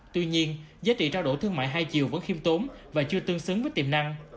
tuy nhiên giá trị trao đổi thương mại hai chiều vẫn khiêm tốn và chưa tương xứng với tiềm năng